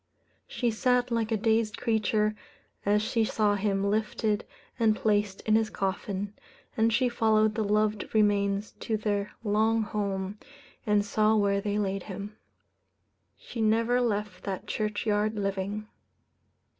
She sat like a dazed creature as she saw him lifted and placed in his coffin, and she followed the loved remains to their long home, and saw where they laid him. She never left that churchyard living.